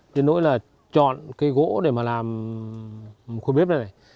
nếu nỗi là chọn cái gỗ để mà làm khuôn bếp này